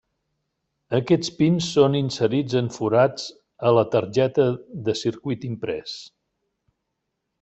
Aquests pins són inserits en forats a la targeta de circuit imprès.